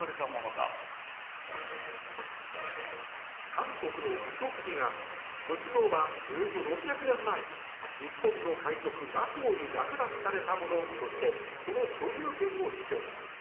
韓国の浮石寺が仏像はおよそ６００年前に日本の海賊、倭寇に略奪されたものとしてその所有権を主張。